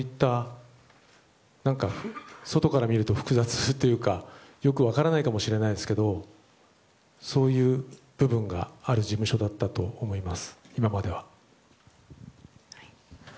外から見ると複雑というかよく分からないかもしれないですがそういう部分がある事務所だったと思います。